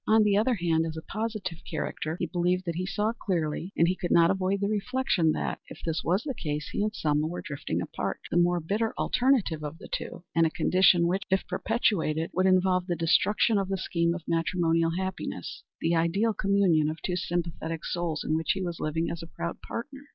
On the other hand, as a positive character, he believed that he saw clearly, and he could not avoid the reflection that, if this was the case, he and Selma were drifting apart the more bitter alternative of the two, and a condition which, if perpetuated, would involve the destruction of the scheme of matrimonial happiness, the ideal communion of two sympathetic souls, in which he was living as a proud partner.